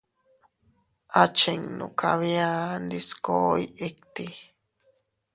Achinnu kabia ndiskoy itti.